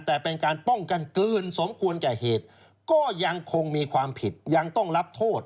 แต่เป็นการป้องกันเกินสมควรแก่เหตุก็ยังคงมีความผิดยังต้องรับโทษ